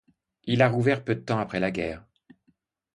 Il a rouvert peu de temps après la guerre.